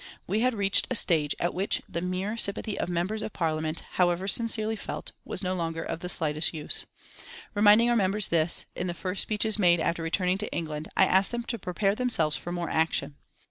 We had reached a stage at which the mere sympathy of members of Parliament, however sincerely felt, was no longer of the slightest use. Reminding our members this, in the first speeches made after returning to England I asked them to prepare themselves for more action.